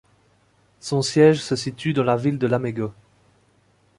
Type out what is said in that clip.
Son siège se situe dans la ville de Lamego.